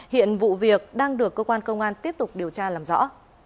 hiện vụ việc đang được cơ quan công an tiếp tục điều tra làm rõ